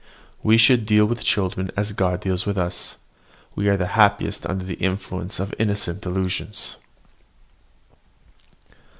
We should deal with children as God deals with us, we are happiest under the influence of innocent delusions.